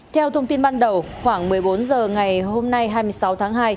theo thông tin ban đầu khoảng một mươi bốn h ngày hôm nay hai mươi sáu tháng hai